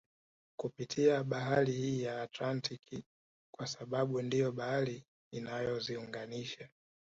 Kupitia bahari hii ya Atlantiki kwa sababu ndiyo bahari inayoziunganisha